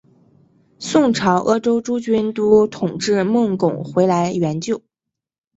宋朝鄂州诸军都统制孟珙回来援救。